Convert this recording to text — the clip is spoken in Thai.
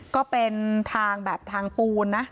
ก็เป็นทางแบบทางปูนนะ